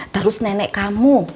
terus nenek kamu